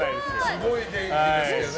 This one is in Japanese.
すごい元気ですけどね。